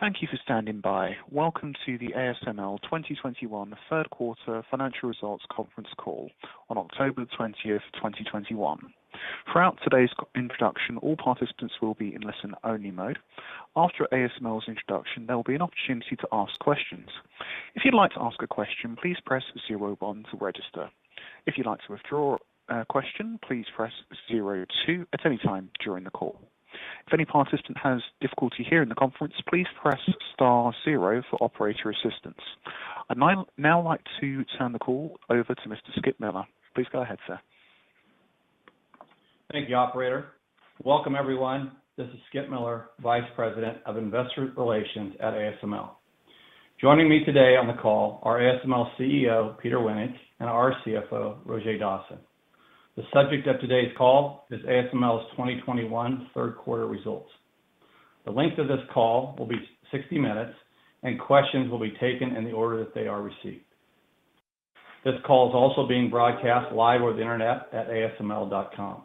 Thank you for standing by. Welcome to the ASML 2021 third quarter financial results conference call on October 20th, 2021. Throughout today's introduction, all participants will be in listen-only mode. After ASML's introduction, there will be an opportunity to ask questions. If you'd like to ask a question, please press zero one to register. If you'd like to withdraw a question, please press zero two at any time during the call. If any participant has difficulty hearing the conference, please press star zero for operator assistance. I'd now like to turn the call over to Mr. Skip Miller. Please go ahead, sir. Thank you, operator. Welcome, everyone. This is Skip Miller, Vice President of Investor Relations at ASML. Joining me today on the call are ASML CEO Peter Wennink, and our CFO, Roger Dassen. The subject of today's call is ASML's 2021 third quarter results. The length of this call will be 60 minutes, and questions will be taken in the order that they are received. This call is also being broadcast live over the internet at asml.com.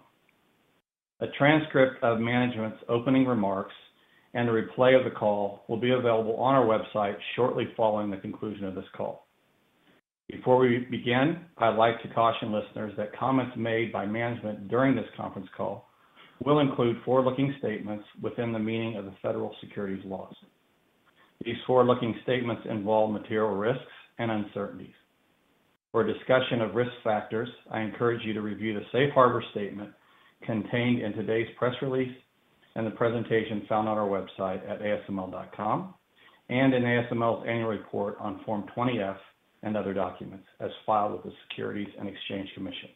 A transcript of management's opening remarks and a replay of the call will be available on our website shortly following the conclusion of this call. Before we begin, I'd like to caution listeners that comments made by management during this conference call will include forward-looking statements within the meaning of the federal securities laws. These forward-looking statements involve material risks and uncertainties. For a discussion of risk factors, I encourage you to review the safe harbor statement contained in today's press release and the presentation found on our website at asml.com, and in ASML's annual report on Form 20-F and other documents as filed with the Securities and Exchange Commission.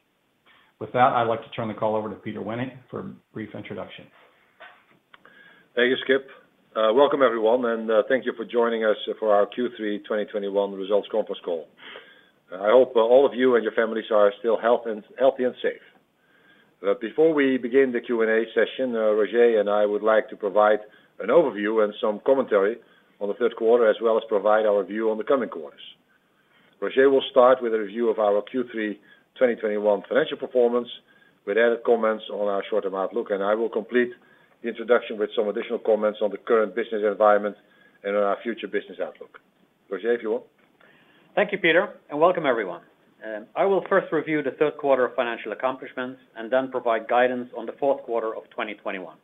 With that, I'd like to turn the call over to Peter Wennink for a brief introduction. Thank you, Skip. Welcome everyone, and thank you for joining us for our Q3 2021 results conference call. I hope all of you and your families are still healthy and safe. Before we begin the Q&A session, Roger and I would like to provide an overview and some commentary on the third quarter, as well as provide our view on the coming quarters. Roger will start with a review of our Q3 2021 financial performance, with added comments on our short-term outlook, and I will complete the introduction with some additional comments on the current business environment and on our future business outlook. Roger, if you will. Thank you, Peter, and welcome everyone. I will first review the third quarter financial accomplishments and then provide guidance on the fourth quarter of 2021.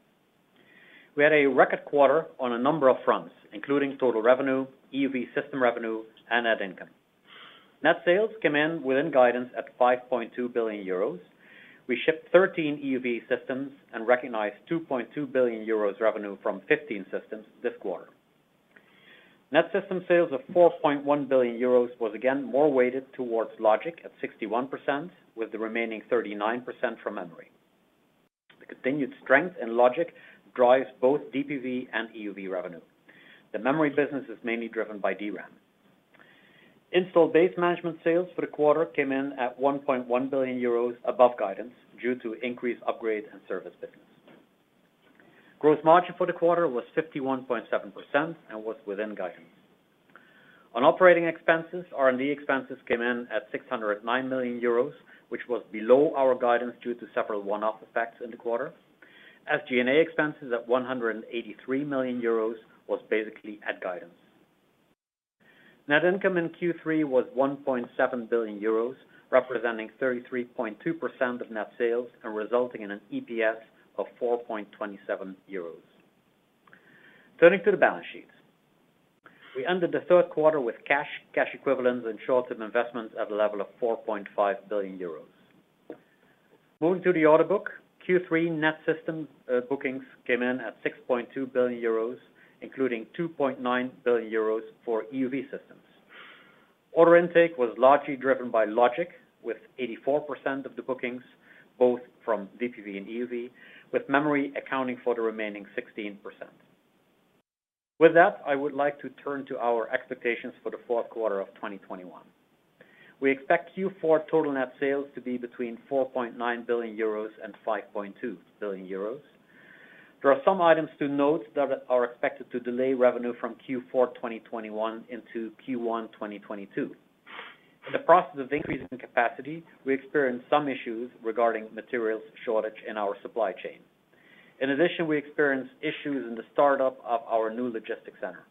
We had a record quarter on a number of fronts, including total revenue, EUV system revenue, and net income. Net sales came in within guidance at 5.2 billion euros. We shipped 13 EUV systems and recognized 2.2 billion euros revenue from 15 systems this quarter. Net system sales of 4.1 billion euros was again more weighted towards logic at 61%, with the remaining 39% from memory. The continued strength in logic drives both DUV and EUV revenue. The memory business is mainly driven by DRAM. Installed Base Management sales for the quarter came in at 1.1 billion euros above guidance due to increased upgrade and service business. Gross margin for the quarter was 51.7% and was within guidance. On operating expenses, R&D expenses came in at 609 million euros, which was below our guidance due to several one-off effects in the quarter. SG&A expenses at 183 million euros was basically at guidance. Net income in Q3 was 1.7 billion euros, representing 33.2% of net sales and resulting in an EPS of 4.27 euros. Turning to the balance sheet. We ended the third quarter with cash equivalents, and short-term investments at a level of 4.5 billion euros. Moving to the order book, Q3 net system bookings came in at 6.2 billion euros, including 2.9 billion euros for EUV systems. Order intake was largely driven by logic, with 84% of the bookings both from DUV and EUV, with memory accounting for the remaining 16%. With that, I would like to turn to our expectations for the fourth quarter of 2021. We expect Q4 total net sales to be between 4.9 billion euros and 5.2 billion euros. There are some items to note that are expected to delay revenue from Q4 2021 into Q1 2022. In the process of increasing capacity, we experienced some issues regarding materials shortage in our supply chain. In addition, we experienced issues in the startup of our new logistics center.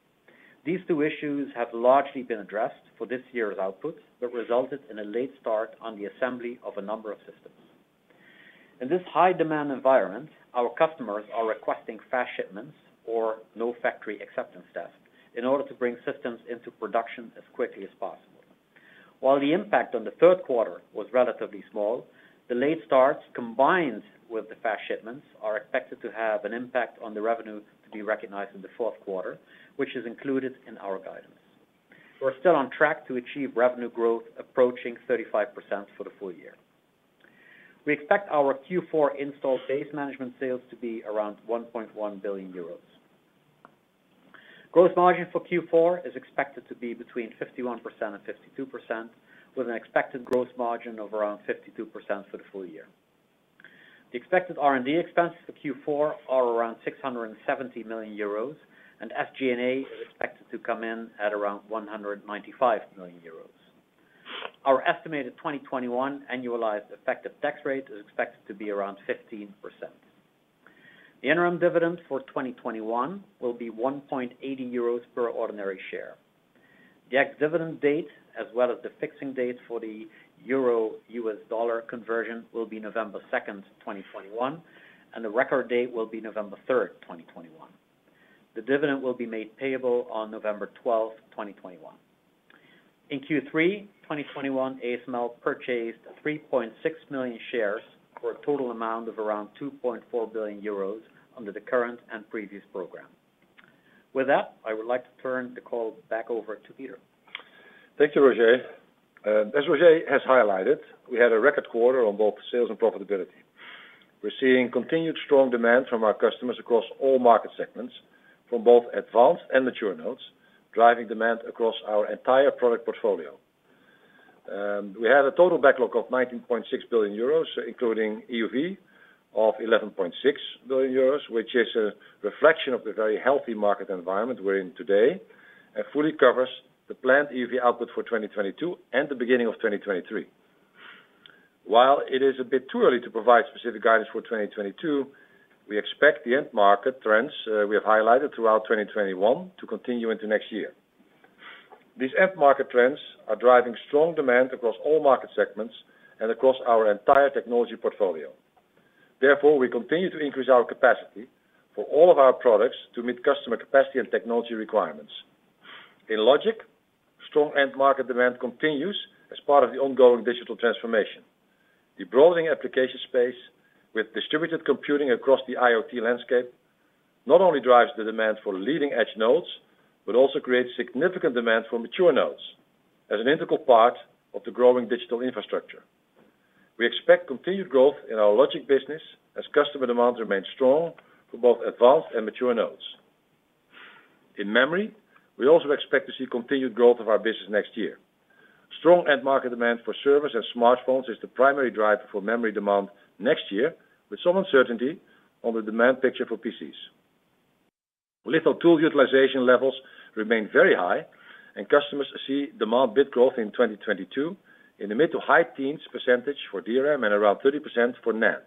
These two issues have largely been addressed for this year's output but resulted in a late start on the assembly of a number of systems. In this high-demand environment, our customers are requesting fast shipments or no factory acceptance test in order to bring systems into production as quickly as possible. While the impact on the third quarter was relatively small, the late starts, combined with the fast shipments, are expected to have an impact on the revenue to be recognized in the fourth quarter, which is included in our guidance. We're still on track to achieve revenue growth approaching 35% for the full year. We expect our Q4 Installed Base Management sales to be around 1.1 billion euros. Gross margin for Q4 is expected to be between 51% and 52%, with an expected gross margin of around 52% for the full year. The expected R&D expenses for Q4 are around 670 million euros, and SG&A is expected to come in at around 195 million euros. Our estimated 2021 annualized effective tax rate is expected to be around 15%. The interim dividend for 2021 will be 1.80 euros per ordinary share. The ex-dividend date, as well as the fixing date for the euro-U.S. dollar conversion, will be November 2nd, 2021, and the record date will be November 3rd, 2021. The dividend will be made payable on November 12th, 2021. In Q3 2021, ASML purchased 3.6 million shares for a total amount of around 2.4 billion euros under the current and previous program. With that, I would like to turn the call back over to Peter. Thank you, Roger. As Roger has highlighted, we had a record quarter on both sales and profitability. We're seeing continued strong demand from our customers across all market segments, from both advanced and mature nodes, driving demand across our entire product portfolio. We had a total backlog of 19.6 billion euros, including EUV of 11.6 billion euros, which is a reflection of the very healthy market environment we're in today, and fully covers the planned EUV output for 2022 and the beginning of 2023. While it is a bit too early to provide specific guidance for 2022, we expect the end market trends we have highlighted throughout 2021 to continue into next year. These end market trends are driving strong demand across all market segments and across our entire technology portfolio. We continue to increase our capacity for all of our products to meet customer capacity and technology requirements. In logic, strong end market demand continues as part of the ongoing digital transformation. The broadening application space with distributed computing across the IoT landscape not only drives the demand for leading-edge nodes, but also creates significant demand for mature nodes as an integral part of the growing digital infrastructure. We expect continued growth in our logic business as customer demand remains strong for both advanced and mature nodes. In memory, we also expect to see continued growth of our business next year. Strong end market demand for servers and smartphones is the primary driver for memory demand next year, with some uncertainty on the demand picture for PCs. Litho tool utilization levels remain very high, and customers see demand bit growth in 2022 in the mid-to-high teens percentage for DRAM and around 30% for NAND.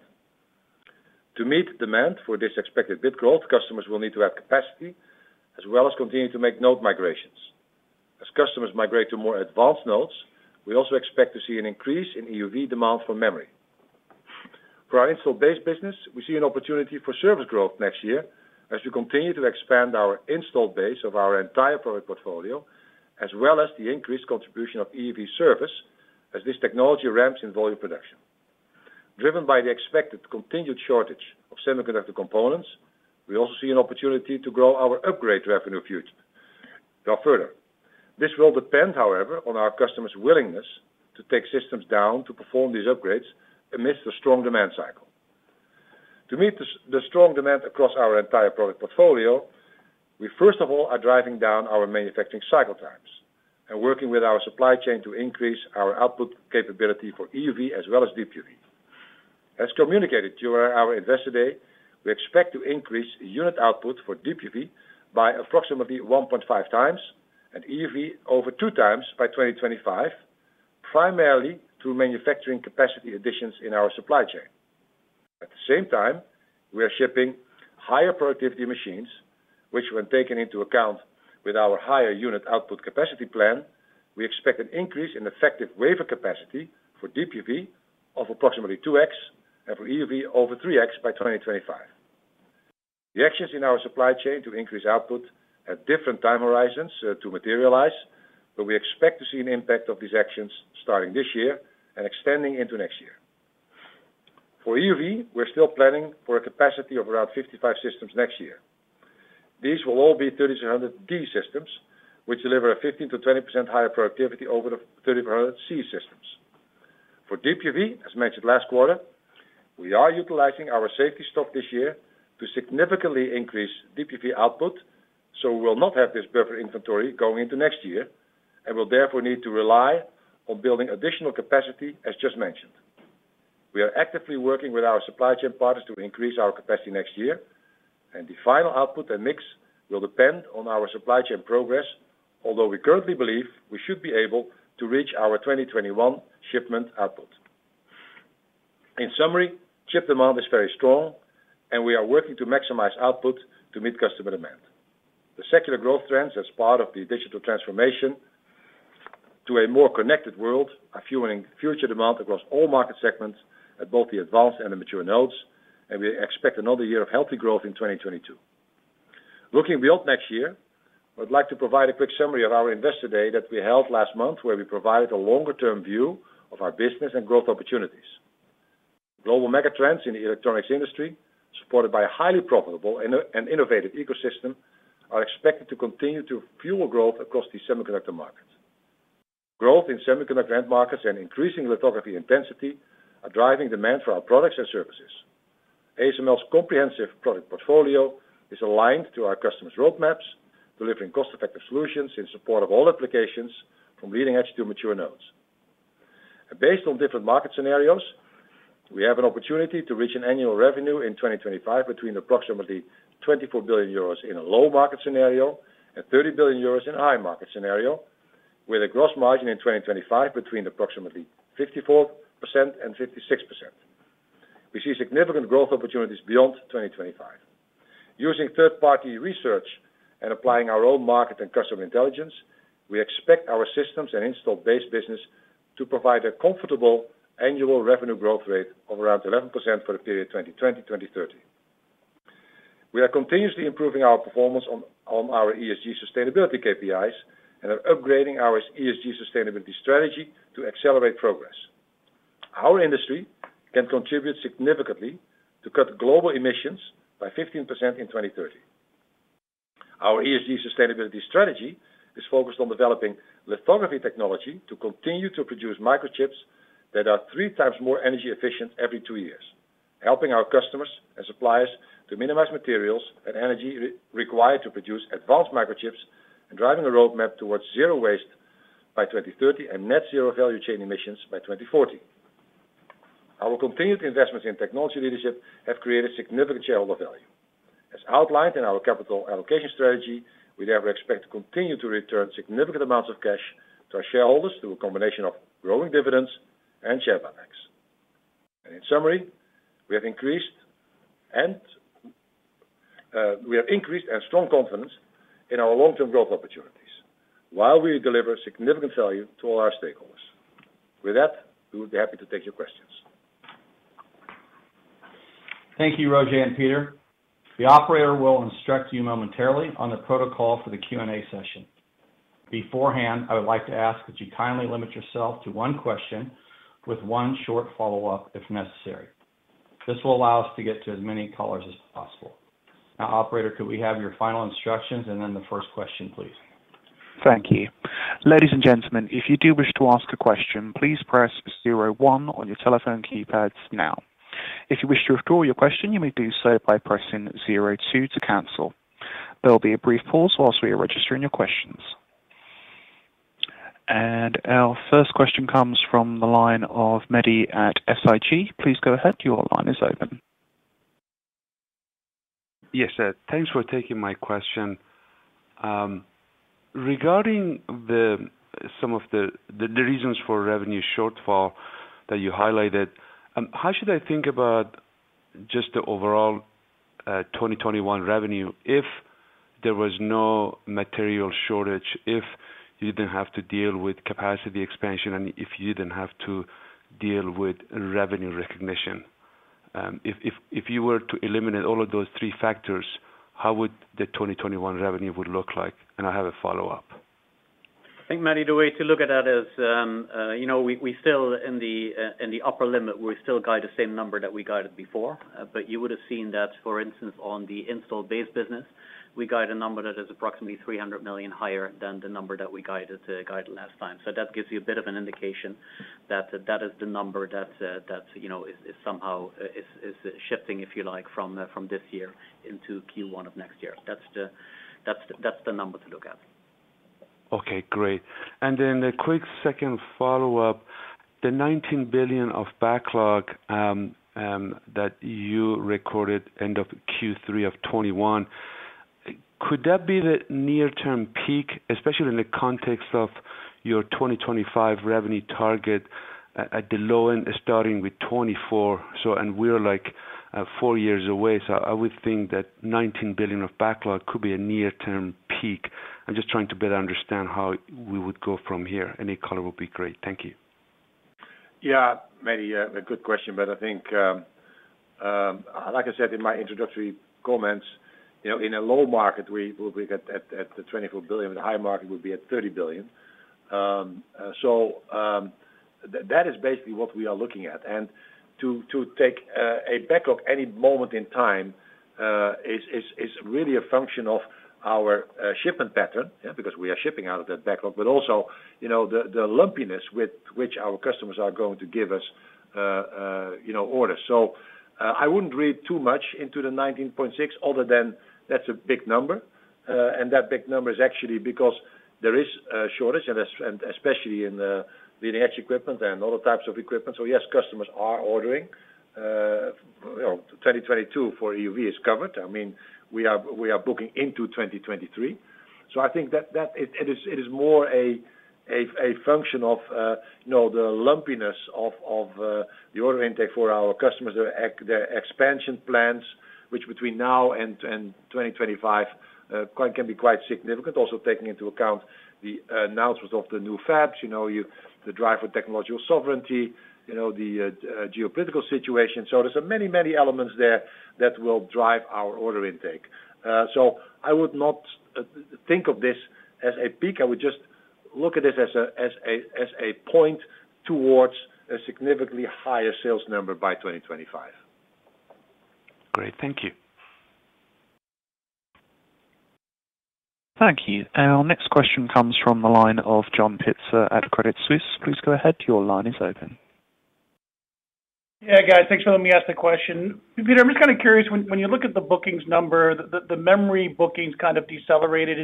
To meet demand for this expected bit growth, customers will need to add capacity as well as continue to make node migrations. As customers migrate to more advanced nodes, we also expect to see an increase in EUV demand for memory. For our installed base business, we see an opportunity for service growth next year as we continue to expand our installed base of our entire product portfolio, as well as the increased contribution of EUV service as this technology ramps in volume production. Driven by the expected continued shortage of semiconductor components, we also see an opportunity to grow our upgrade revenue further. This will depend, however, on our customers' willingness to take systems down to perform these upgrades amidst the strong demand cycle. To meet the strong demand across our entire product portfolio, we first of all are driving down our manufacturing cycle times and working with our supply chain to increase our output capability for EUV as well as DUV. As communicated during our Investor Day, we expect to increase unit output for DUV by approximately 1.5x and EUV over 2x by 2025, primarily through manufacturing capacity additions in our supply chain. At the same time, we are shipping higher productivity machines, which when taken into account with our higher unit output capacity plan, we expect an increase in effective wafer capacity for DUV of approximately 2x and for EUV over 3x by 2025. The actions in our supply chain to increase output have different time horizons to materialize, but we expect to see an impact of these actions starting this year and extending into next year. For EUV, we're still planning for a capacity of around 55 systems next year. These will all be 3600D systems, which deliver a 15%-20% higher productivity over the 3400C systems. For DUV, as mentioned last quarter, we are utilizing our safety stock this year to significantly increase DUV output, so we will not have this buffer inventory going into next year and will therefore need to rely on building additional capacity as just mentioned. We are actively working with our supply chain partners to increase our capacity next year, and the final output and mix will depend on our supply chain progress, although we currently believe we should be able to reach our 2021 shipment output. In summary, chip demand is very strong, and we are working to maximize output to meet customer demand. The secular growth trends as part of the digital transformation to a more connected world are fueling future demand across all market segments at both the advanced and the mature nodes, and we expect another year of healthy growth in 2022. Looking beyond next year, I would like to provide a quick summary of our Investor Day that we held last month, where we provided a longer-term view of our business and growth opportunities. Global mega trends in the electronics industry, supported by a highly profitable and innovative ecosystem, are expected to continue to fuel growth across the semiconductor market. Growth in semiconductor end markets and increasing lithography intensity are driving demand for our products and services. ASML's comprehensive product portfolio is aligned to our customers' roadmaps, delivering cost-effective solutions in support of all applications from leading-edge to mature nodes. Based on different market scenarios, we have an opportunity to reach an annual revenue in 2025 between approximately 24 billion euros in a low market scenario and 30 billion euros in high market scenario, with a gross margin in 2025 between approximately 54%-56%. We see significant growth opportunities beyond 2025. Using third-party research and applying our own market and customer intelligence, we expect our systems and installed base business to provide a comfortable annual revenue growth rate of around 11% for the period 2020-2030. We are continuously improving our performance on our ESG sustainability KPIs and are upgrading our ESG sustainability strategy to accelerate progress. Our industry can contribute significantly to cut global emissions by 15% in 2030. Our ESG sustainability strategy is focused on developing lithography technology to continue to produce microchips that are 3x more energy efficient every two years, helping our customers and suppliers to minimize materials and energy required to produce advanced microchips, and driving a roadmap towards zero waste by 2030 and net zero value chain emissions by 2040. Our continued investments in technology leadership have created significant shareholder value. As outlined in our capital allocation strategy, we therefore expect to continue to return significant amounts of cash to our shareholders through a combination of growing dividends and share buybacks. In summary, we have increased and strong confidence in our long-term growth opportunities while we deliver significant value to all our stakeholders. With that, we would be happy to take your questions. Thank you, Roger and Peter. The operator will instruct you momentarily on the protocol for the Q&A session. Beforehand, I would like to ask that you kindly limit yourself to one question with one short follow-up if necessary. This will allow us to get to as many callers as possible. Now, operator, could we have your final instructions and then the first question, please? Thank you. Ladies and gentlemen, if you do wish to ask a question, please press zero one on your telephone keypads now. If you wish to withdraw your question, you may do so by pressing zero two to cancel. There will be a brief pause while we are registering your questions. Our first question comes from the line of Mehdi at SIG. Please go ahead. Your line is open. Yes, sir. Thanks for taking my question. Regarding some of the reasons for revenue shortfall that you highlighted, how should I think about just the overall 2021 revenue if there was no material shortage, if you didn't have to deal with capacity expansion, and if you didn't have to deal with revenue recognition? If you were to eliminate all of those three factors, how would the 2021 revenue look like? I have a follow-up. I think, Mehdi, the way to look at that is, in the upper limit, we still guide the same number that we guided before. You would have seen that, for instance, on the installed base business, we guide a number that is approximately 300 million higher than the number that we guided the guide last time. That gives you a bit of an indication that is the number that somehow is shifting, if you like, from this year into Q1 of next year. That's the number to look at. Okay, great. A quick second follow-up. The 19 billion of backlog that you recorded end of Q3 2021, could that be the near-term peak, especially in the context of your 2025 revenue target at the low end, starting with 24 billion? We're four years away, so I would think that 19 billion of backlog could be a near-term peak. I'm just trying to better understand how we would go from here. Any color would be great. Thank you. Yeah, Mehdi, a good question, but I think, like I said in my introductory comments, in a low market, we will be at the 24 billion. With high market, we'll be at 30 billion. That is basically what we are looking at. To take a backlog any moment in time is really a function of our shipment pattern, because we are shipping out of that backlog, but also the lumpiness with which our customers are going to give us orders. I wouldn't read too much into the 19.6 billion other than that's a big number. That big number is actually because there is a shortage, and especially in the leading-edge equipment and other types of equipment. Yes, customers are ordering. 2022 for EUV is covered. We are booking into 2023. I think that it is more a function of the lumpiness of the order intake for our customers, their expansion plans, which between now and 2025 can be quite significant. Also taking into account the announcements of the new fabs, the drive for technological sovereignty, the geopolitical situation. There's many elements there that will drive our order intake. I would not think of this as a peak. I would just look at this as a point towards a significantly higher sales number by 2025. Great. Thank you. Thank you. Our next question comes from the line of John Pitzer at Credit Suisse. Please go ahead. Your line is open. Yeah, guys, thanks for letting me ask the question. Peter, I'm just kind of curious, when you look at the bookings number, the memory bookings kind of decelerated.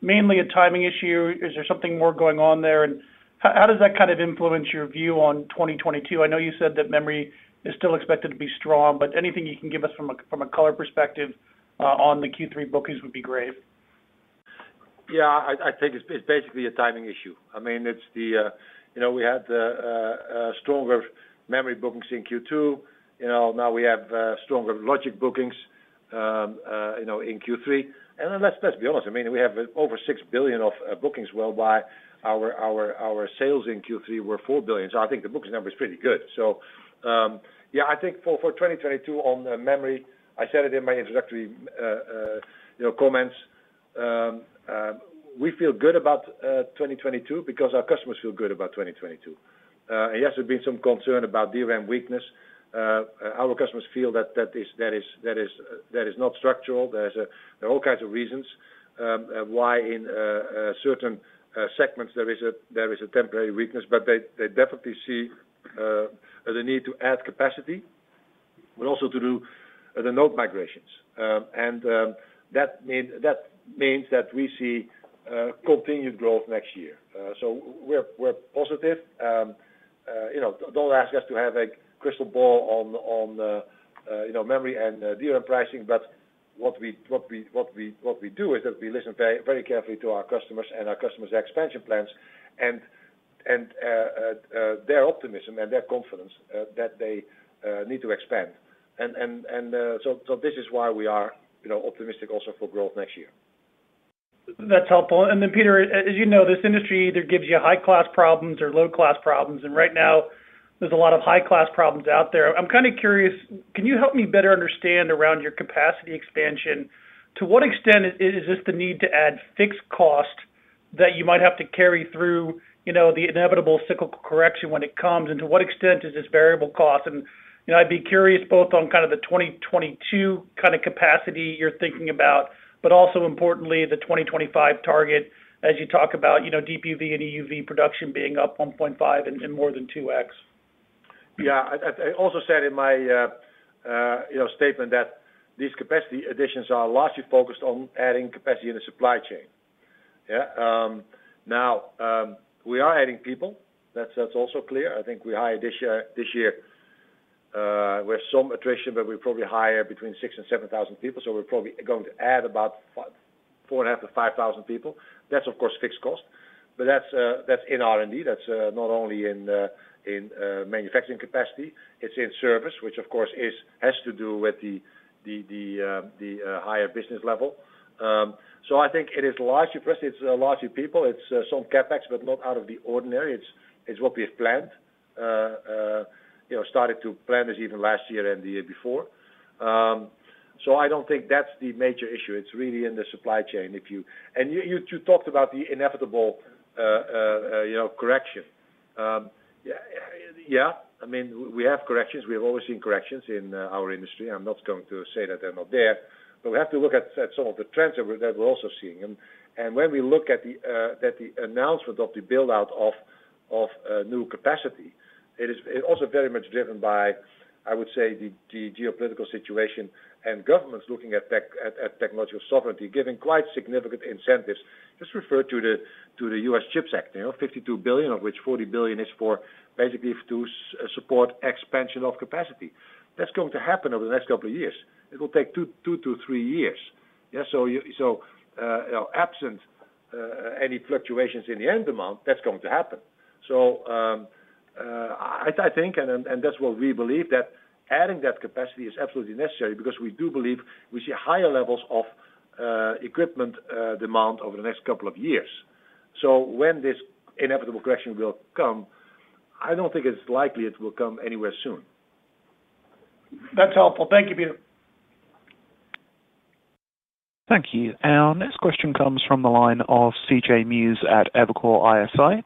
Mainly a timing issue? Is there something more going on there? How does that kind of influence your view on 2022? I know you said that memory is still expected to be strong, but anything you can give us from a color perspective on the Q3 bookings would be great. I think it's basically a timing issue. We had stronger memory bookings in Q2. Now we have stronger logic bookings in Q3. Let's be honest, we have over 6 billion of bookings, whereby our sales in Q3 were 4 billion. I think the bookings number is pretty good. I think for 2022 on memory, I said it in my introductory comments. We feel good about 2022 because our customers feel good about 2022. Yes, there's been some concern about DRAM weakness. Our customers feel that that is not structural. There are all kinds of reasons why in certain segments there is a temporary weakness. They definitely see the need to add capacity, but also to do the node migrations. That means that we see continued growth next year. We're positive. Don't ask us to have a crystal ball on memory and DRAM pricing, what we do is that we listen very carefully to our customers and our customers' expansion plans and their optimism and their confidence that they need to expand. This is why we are optimistic also for growth next year. That's helpful. Peter, as you know, this industry either gives you high-class problems or low-class problems, and right now there's a lot of high-class problems out there. I'm kind of curious, can you help me better understand around your capacity expansion? To what extent is this the need to add fixed cost that you might have to carry through the inevitable cyclical correction when it comes? To what extent is this variable cost? I'd be curious both on kind of the 2022 capacity you're thinking about, but also importantly, the 2025 target as you talk about DUV and EUV production being up 1.5x and more than 2x. I also said in my statement that these capacity additions are largely focused on adding capacity in the supply chain. We are adding people, that is also clear. I think we hired this year with some attrition, but we probably hire between 6,000 and 7,000 people, so we are probably going to add about 4,500-5,000 people. That is of course fixed cost, but that is in R&D. That is not only in manufacturing capacity. It is in service, which of course, has to do with the higher business level. I think it is largely pressed, it is largely people, it is some CapEx, but not out of the ordinary. It is what we have planned. Started to plan this even last year and the year before. I do not think that is the major issue. It is really in the supply chain. You talked about the inevitable correction. We have corrections. We have always seen corrections in our industry. I'm not going to say that they're not there, but we have to look at some of the trends that we're also seeing. When we look at the announcement of the build-out of new capacity, it is also very much driven by, I would say, the geopolitical situation and governments looking at technological sovereignty, giving quite significant incentives. Just refer to the U.S. CHIPS Act, 52 billion, of which 40 billion is for basically to support expansion of capacity. That's going to happen over the next couple of years. It will take two to three years. Absent any fluctuations in the end amount, that's going to happen. I think, and that's what we believe, that adding that capacity is absolutely necessary because we do believe we see higher levels of equipment demand over the next two years. When this inevitable correction will come, I don't think it's likely it will come anywhere soon. That's helpful. Thank you, Peter. Thank you. Our next question comes from the line of C.J. Muse at Evercore ISI.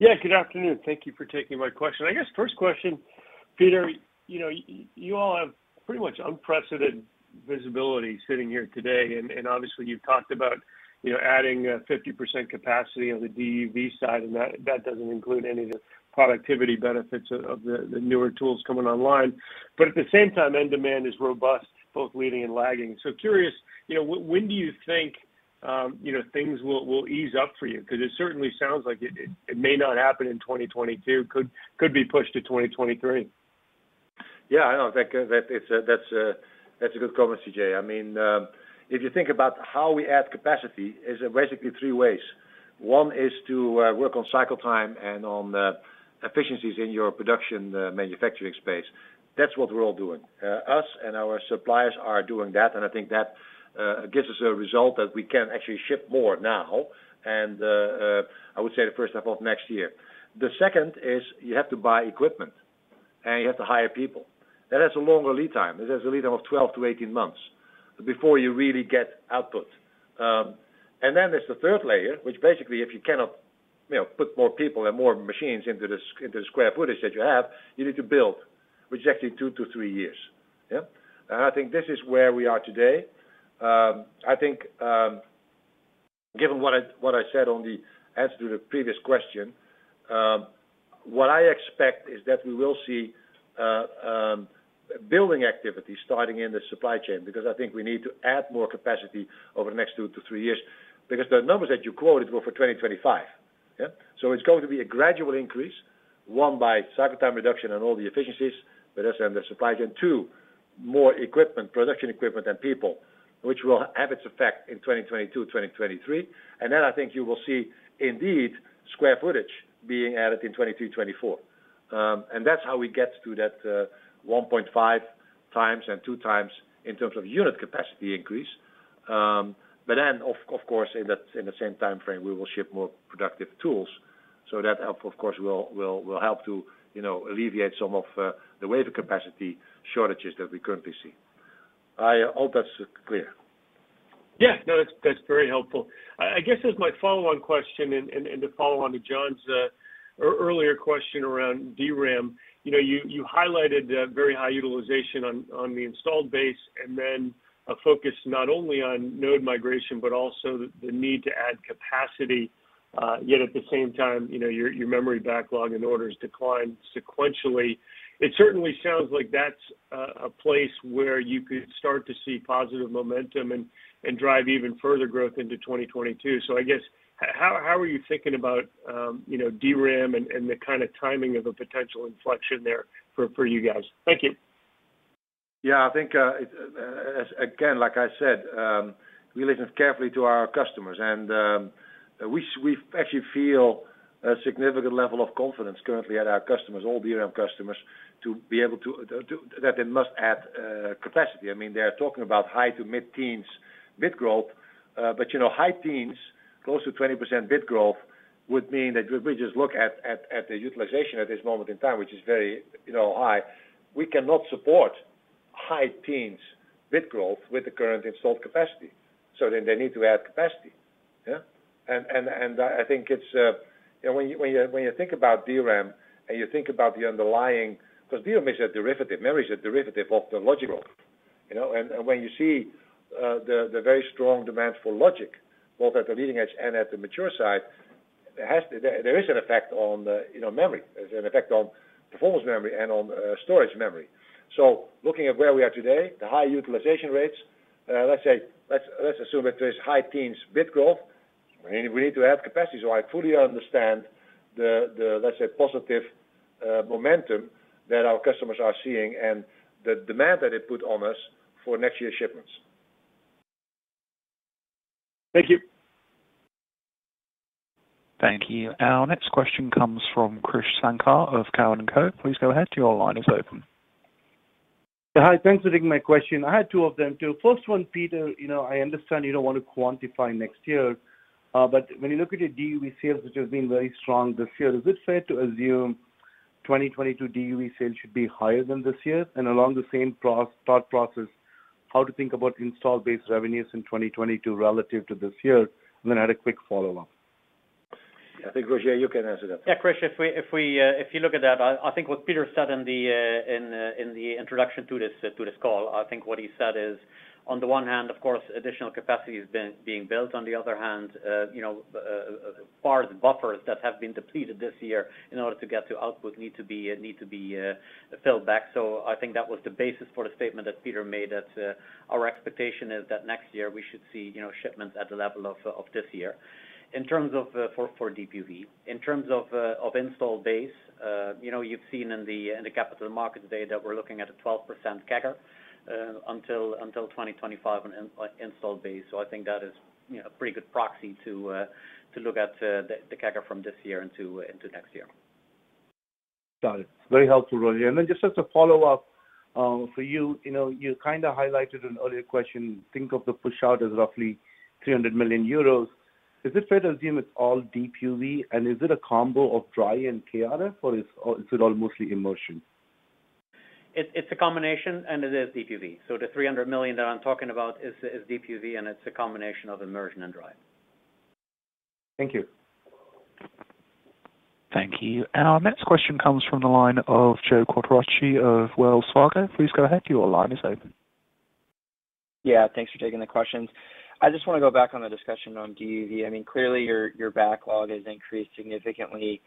Yeah, good afternoon. Thank you for taking my question. I guess first question, Peter, you all have pretty much unprecedented visibility sitting here today. Obviously you've talked about adding 50% capacity on the DUV side, and that doesn't include any of the productivity benefits of the newer tools coming online. At the same time, end demand is robust, both leading and lagging. Curious, when do you think things will ease up for you? Because it certainly sounds like it may not happen in 2022. Could be pushed to 2023. Yeah. I know. That's a good comment, CJ. If you think about how we add capacity, is basically three ways. One is to work on cycle time and on efficiencies in your production manufacturing space. That's what we're all doing. Us and our suppliers are doing that, and I think that gives us a result that we can actually ship more now and, I would say the first half of next year. The second is you have to buy equipment and you have to hire people. That has a longer lead time. It has a lead time of 12-18 months before you really get output. There's the third layer, which basically, if you cannot put more people and more machines into the square footage that you have, you need to build, which is actually two to three years. Yeah? I think this is where we are today. Given what I said on the answer to the previous question, what I expect is that we will see building activity starting in the supply chain, because I think we need to add more capacity over the next two to three years, because the numbers that you quoted were for 2025. Yeah? It's going to be a gradual increase. One, by cycle time reduction and all the efficiencies with us and the supply chain. Two, more equipment, production equipment and people, which will have its effect in 2022, 2023. I think you will see indeed square footage being added in 2023, 2024. That's how we get to that 1.5x and 2x in terms of unit capacity increase. Of course, in the same timeframe, we will ship more productive tools. That of course will help to alleviate some of the wave of capacity shortages that we currently see. I hope that is clear. No, that's very helpful. I guess as my follow-on question and to follow on to John's earlier question around DRAM. You highlighted the very high utilization on the installed base and then a focus not only on node migration, but also the need to add capacity, yet at the same time, your memory backlog and orders decline sequentially. It certainly sounds like that's a place where you could start to see positive momentum and drive even further growth into 2022. I guess, how are you thinking about DRAM and the kind of timing of a potential inflection there for you guys? Thank you. I think, again, like I said, we listen carefully to our customers and we actually feel a significant level of confidence currently at our customers, all DRAM customers, that they must add capacity. They're talking about high to mid-teens bit growth. High teens, close to 20% bit growth would mean that we just look at the utilization at this moment in time, which is very high. We cannot support high teens bit growth with the current installed capacity. They need to add capacity. Yeah? I think when you think about DRAM and you think about the underlying, because DRAM is a derivative, memory is a derivative of the logical. When you see the very strong demand for logic, both at the leading edge and at the mature side, there is an effect on memory. There's an effect on performance memory and on storage memory. Looking at where we are today, the high utilization rates, let's assume that there's high teen bit growth. We need to add capacity. I fully understand the, let's say, positive momentum that our customers are seeing and the demand that they put on us for next year's shipments. Thank you. Thank you. Our next question comes from Krish Sankar of Cowen & Co. Please go ahead, your line is open. Hi, thanks for taking my question. I had two of them, too. First one, Peter, I understand you don't want to quantify next year, but when you look at your DUV sales, which has been very strong this year, is it fair to assume 2022 DUV sales should be higher than this year? Along the same thought process, how to think about install-based revenues in 2022 relative to this year? I had a quick follow-up. I think Roger, you can answer that. Yeah, Krish, if you look at that, I think what Peter said in the introduction to this call, I think what he said is, on the one hand, of course, additional capacity is being built. On the other hand, far as buffers that have been depleted this year in order to get to output need to be filled back. I think that was the basis for the statement that Peter made that our expectation is that next year we should see shipments at the level of this year for DUV. In terms of install base, you've seen in the Capital Markets Day, we're looking at a 12% CAGR until 2025 in install base. I think that is a pretty good proxy to look at the CAGR from this year into next year. Got it. Very helpful, Roger. Just as a follow-up for you kind of highlighted an earlier question, think of the push-out as roughly 300 million euros. Is it fair to assume it's all DUV? Is it a combo of dry and KrF or is it all mostly immersion? It's a combination and it is DUV. The 300 million that I'm talking about is DUV, and it's a combination of immersion and dry. Thank you. Thank you. Our next question comes from the line of Joe Quatrochi of Wells Fargo. Please go ahead. Your line is open. Yeah. Thanks for taking the questions. I just want to go back on the discussion on DUV. Clearly your backlog has increased significantly.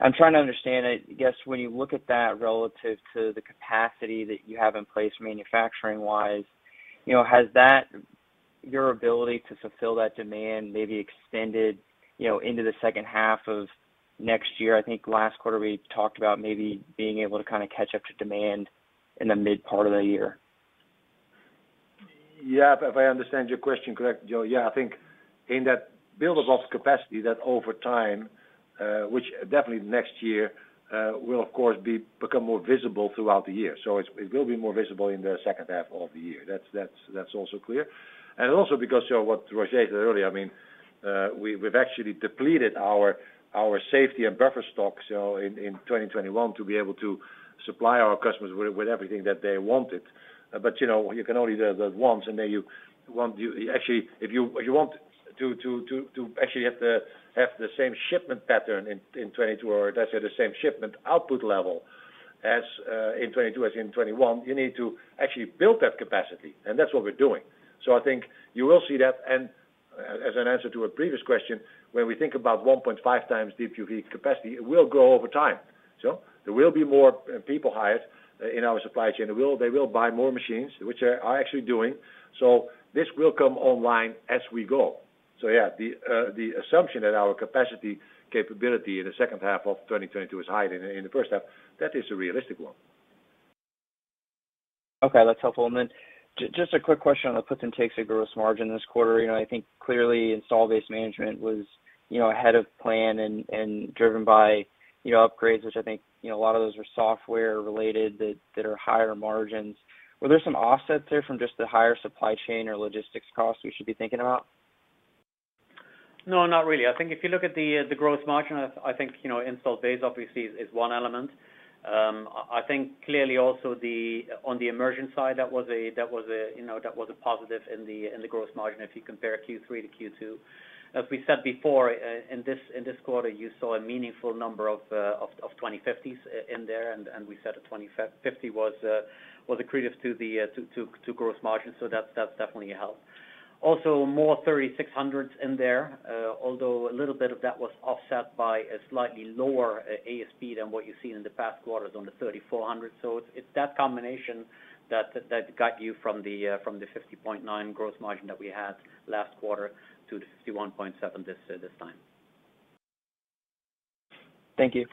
I'm trying to understand, I guess when you look at that relative to the capacity that you have in place manufacturing-wise, has your ability to fulfill that demand maybe extended into the second half of next year? I think last quarter we talked about maybe being able to kind of catch up to demand in the mid part of the year. Yeah. If I understand your question correctly, Joe, yeah, I think in that build of capacity that over time, which definitely next year, will of course become more visible throughout the year. It will be more visible in the second half of the year. That's also clear. Also because, Joe, what Roger said earlier, we've actually depleted our safety and buffer stock, so in 2021 to be able to supply our customers with everything that they wanted. You can only do that once, and then if you want to actually have the same shipment pattern in 2022, or let's say the same shipment output level as in 2022, as in 2021, you need to actually build that capacity, and that's what we're doing. I think you will see that, and as an answer to a previous question, when we think about 1.5x DUV capacity, it will grow over time. There will be more people hired in our supply chain. They will buy more machines, which are actually doing, so this will come online as we go. Yeah, the assumption that our capacity capability in the second half of 2022 is higher than in the first half, that is a realistic one. Okay. That's helpful. Just a quick question on the puts and takes of gross margin this quarter. I think clearly install base management was ahead of plan and driven by upgrades, which I think a lot of those are software related that are higher margins. Were there some offsets there from just the higher supply chain or logistics costs we should be thinking about? No, not really. I think if you look at the gross margin, I think install base obviously is one element. I think clearly also on the immersion side, that was a positive in the gross margin if you compare Q3 to Q2. As we said before, in this quarter you saw a meaningful number of 2050s in there, and we said a 2050 was accretive to gross margin, so that's definitely a help. Also, more 3600Ds in there, although a little bit of that was offset by a slightly lower ASP than what you've seen in the past quarters on the 3400C. It's that combination that got you from the 50.9% gross margin that we had last quarter to the 51.7% this time. Thank you.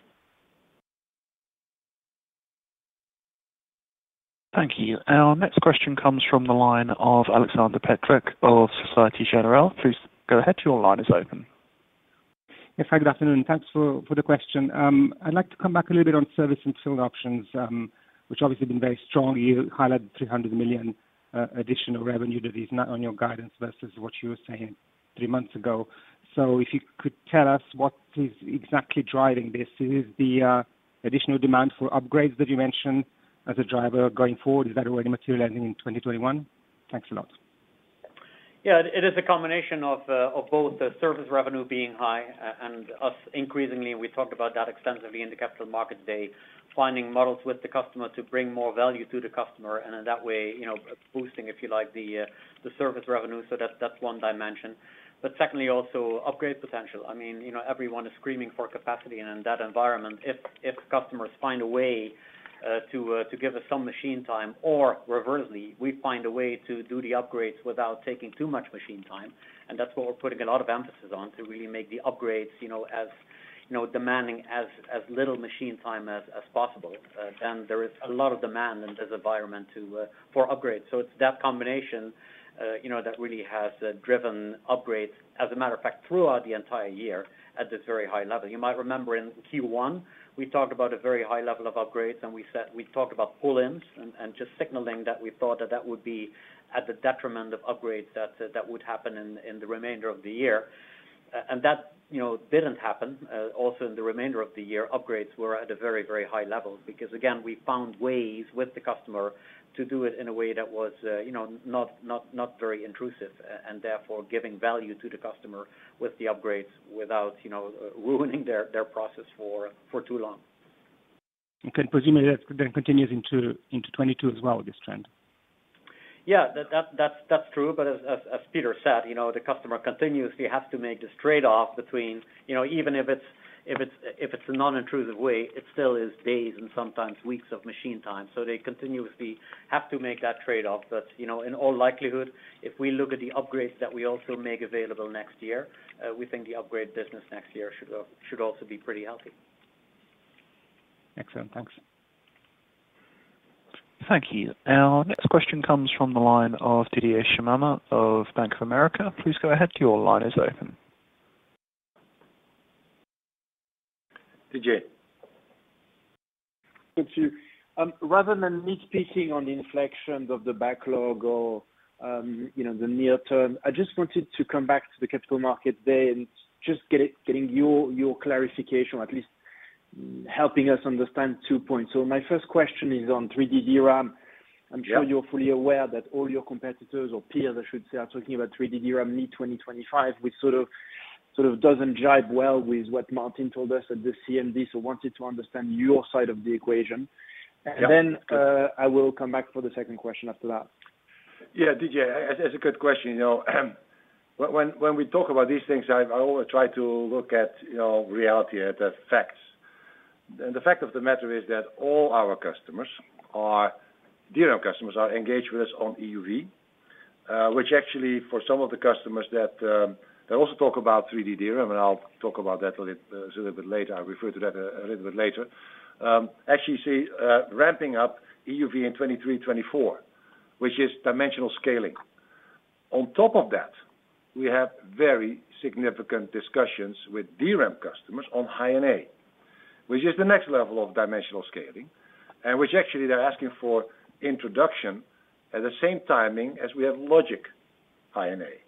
Thank you. Our next question comes from the line of Aleksander Peterc of Société Générale. Please go ahead. Your line is open. Hi, good afternoon. Thanks for the question. I'd like to come back a little bit on service and tool options, which obviously have been very strong. You highlighted 300 million additional revenue that is not on your guidance versus what you were saying three months ago. If you could tell us what is exactly driving this. Is it the additional demand for upgrades that you mentioned as a driver going forward? Is that already materializing in 2021? Thanks a lot. It is a combination of both the service revenue being high and us increasingly, we talked about that extensively in the Capital Markets Day, finding models with the customer to bring more value to the customer, and in that way, boosting, if you like, the service revenue. That's one dimension. Secondly, also upgrade potential. Everyone is screaming for capacity, and in that environment, if customers find a way to give us some machine time, or reversely, we find a way to do the upgrades without taking too much machine time, and that's what we're putting a lot of emphasis on to really make the upgrades demanding as little machine time as possible, then there is a lot of demand in this environment for upgrades. It's that combination that really has driven upgrades, as a matter of fact, throughout the entire year at this very high level. You might remember in Q1, we talked about a very high level of upgrades, and we talked about pull-ins and just signaling that we thought that that would be at the detriment of upgrades that would happen in the remainder of the year. That didn't happen. Also in the remainder of the year, upgrades were at a very high level because, again, we found ways with the customer to do it in a way that was not very intrusive, and therefore giving value to the customer with the upgrades without ruining their process for too long. Okay. Presumably, that then continues into 2022 as well, this trend. Yeah. That's true, but as Peter said, the customer continuously has to make this trade-off between even if it's a non-intrusive way, it still is days and sometimes weeks of machine time. They continuously have to make that trade-off. In all likelihood, if we look at the upgrades that we also make available next year, we think the upgrade business next year should also be pretty healthy. Excellent. Thanks. Thank you. Our next question comes from the line of Didier Scemama of Bank of America. Please go ahead. Your line is open. Didier. Thank you. Rather than me speaking on the inflection of the backlog or the near term, I just wanted to come back to the Capital Markets Day and just getting your clarification, or at least helping us understand two points. My first question is on 3D DRAM. Yeah. I'm sure you're fully aware that all your competitors or peers, I should say, are talking about 3D DRAM mid-2025, which sort of doesn't jive well with what Martin told us at the CMD, so wanted to understand your side of the equation. Yeah. I will come back for the second question after that. Yeah, Didier, that's a good question. When we talk about these things, I always try to look at reality, at the facts. The fact of the matter is that all our customers, our DRAM customers, are engaged with us on EUV, which actually, for some of the customers that also talk about 3D DRAM, and I'll talk about that a little bit later. I'll refer to that a little bit later. Actually see ramping up EUV in 2023-2024, which is dimensional scaling. On top of that, we have very significant discussions with DRAM customers on High NA, which is the next level of dimensional scaling, and which actually they're asking for introduction at the same timing as we have logic High NA.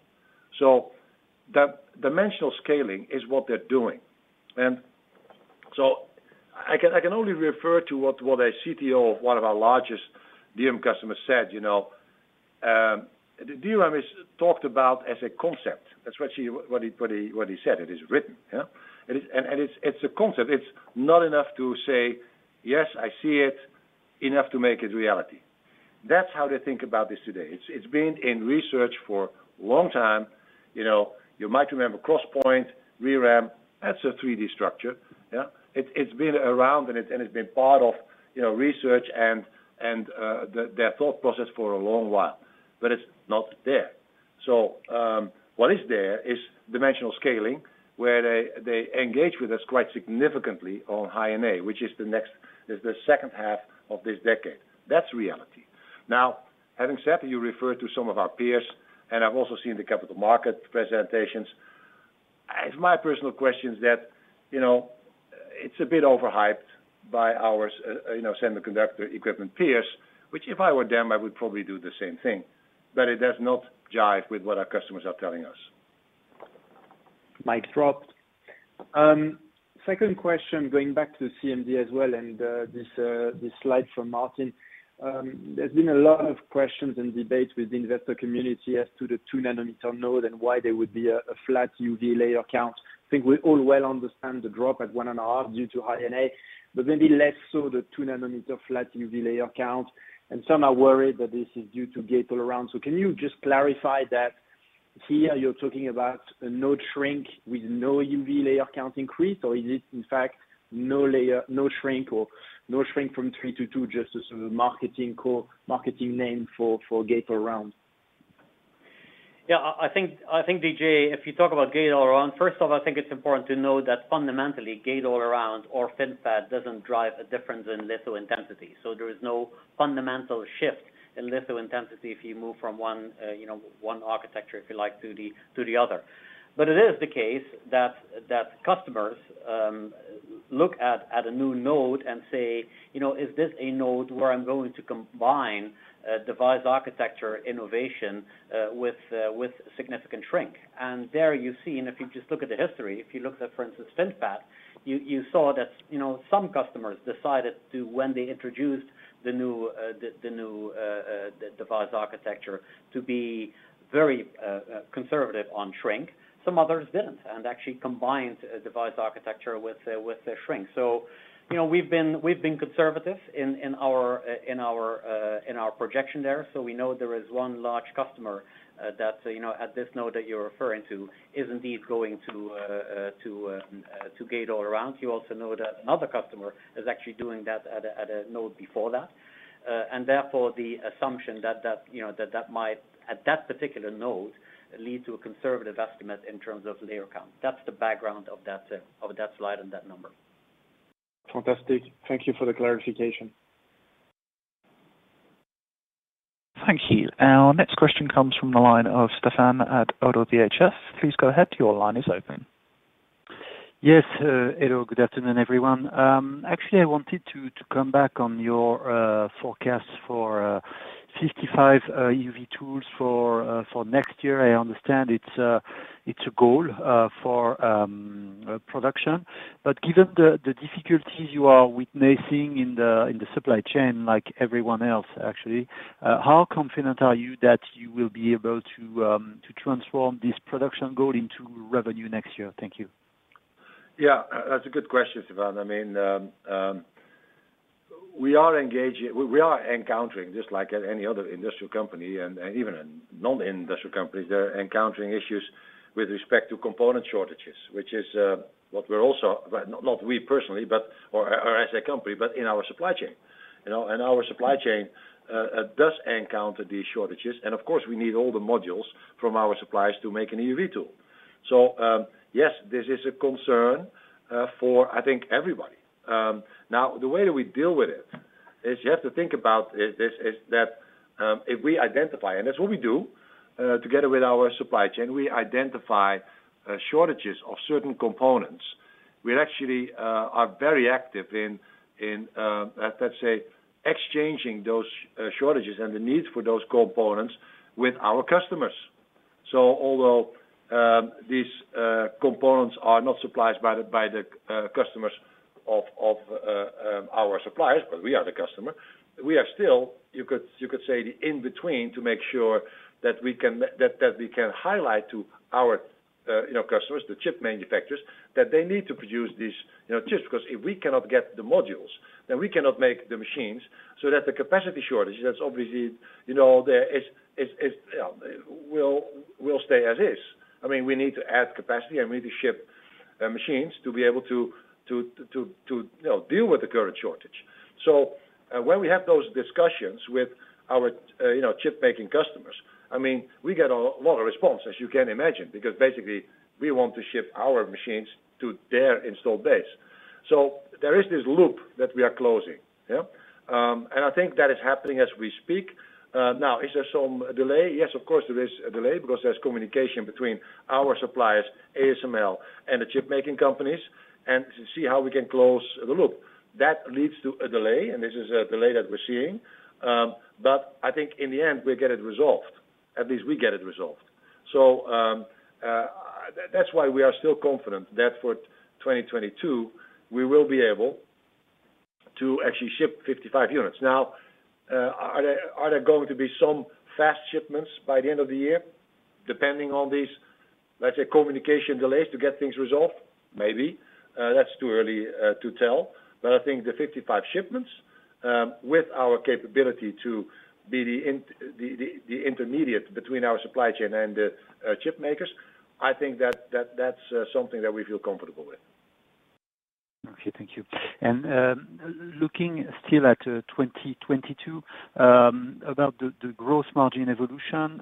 That dimensional scaling is what they're doing. I can only refer to what a CTO of one of our largest DRAM customers said. The DRAM is talked about as a concept. That's what he said. It is written. Yeah. It's a concept. It's not enough to say, "Yes, I see it," enough to make it reality. That's how they think about this today. It's been in research for a long time. You might remember 3D XPoint, ReRAM, that's a 3D structure. Yeah. It's been around and it's been part of research and their thought process for a long while, but it's not there. What is there is dimensional scaling, where they engage with us quite significantly on High NA, which is the second half of this decade. That's reality. Now, having said that, you referred to some of our peers, and I've also seen the capital market presentations. My personal question is that it's a bit overhyped by our semiconductor equipment peers, which if I were them, I would probably do the same thing. It does not jive with what our customers are telling us. Mic dropped. Second question, going back to CMD as well, and this slide from Martin. There's been a lot of questions and debates with the investor community as to the 2 nm node and why there would be a flat EUV layer count. I think we all well understand the drop at 1.5 nm due to High NA, but maybe less so the 2 nm flat EUV layer count, and some are worried that this is due to gate-all-around. Can you just clarify that here you're talking about a node shrink with no EUV layer count increase, or is it in fact no shrink or no shrink from 3 nm-2 nm, just as sort of a marketing name for gate-all-around? Yeah, I think, Didier, if you talk about Gate-all-around, first off, I think it's important to know that fundamentally, Gate-all-around or FinFET doesn't drive a difference in litho intensity. There is no fundamental shift in litho intensity if you move from one architecture, if you like, to the other. It is the case that customers look at a new node and say, "Is this a node where I'm going to combine device architecture innovation with significant shrink?" There you see, if you just look at the history, if you look at, for instance, FinFET, you saw that some customers decided to when they introduced the new device architecture to be very conservative on shrink. Some others didn't, and actually combined device architecture with the shrink. We've been conservative in our projection there. We know there is one large customer that, at this node that you're referring to, is indeed going to gate-all-around. You also know that another customer is actually doing that at a node before that. Therefore, the assumption that might, at that particular node, lead to a conservative estimate in terms of layer count. That's the background of that slide and that number. Fantastic. Thank you for the clarification. Thank you. Our next question comes from the line of Stéphane at ODDO BHF. Yes. Hello, good afternoon, everyone. Actually, I wanted to come back on your forecast for 55 EUV tools for next year. I understand it's a goal for production. Given the difficulties you are witnessing in the supply chain, like everyone else actually, how confident are you that you will be able to transform this production goal into revenue next year? Thank you. Yeah, that's a good question, Stéphane. We are encountering, just like any other industrial company and even in non-industrial companies, they're encountering issues with respect to component shortages, which is what we're also, not we personally, or as a company, but in our supply chain. Our supply chain does encounter these shortages, and of course, we need all the modules from our suppliers to make an EUV tool. Yes, this is a concern for I think everybody. The way that we deal with it is you have to think about is that if we identify, and that's what we do, together with our supply chain, we identify shortages of certain components. We actually are very active in, let's say, exchanging those shortages and the need for those components with our customers. Although these components are not supplied by the customers of our suppliers, but we are the customer, we are still, you could say, in between to make sure that we can highlight to our customers, the chip manufacturers, that they need to produce these chips because if we cannot get the modules, then we cannot make the machines so that the capacity shortage, that's obviously will stay as is. We need to add capacity and we need to ship machines to be able to deal with the current shortage. When we have those discussions with our chip-making customers, we get a lot of response, as you can imagine, because basically we want to ship our machines to their installed base. There is this loop that we are closing. Yeah? I think that is happening as we speak. Now, is there some delay? Yes, of course, there is a delay because there's communication between our suppliers, ASML, and the chip-making companies, and to see how we can close the loop. That leads to a delay, and this is a delay that we're seeing. I think in the end, we get it resolved. At least we get it resolved. That's why we are still confident that for 2022, we will be able to actually ship 55 units. Now, are there going to be some fast shipments by the end of the year depending on these, let's say, communication delays to get things resolved? Maybe. That's too early to tell, I think the 55 shipments, with our capability to be the intermediate between our supply chain and the chip makers, I think that's something that we feel comfortable with. Okay. Thank you. Looking still at 2022, about the gross margin evolution,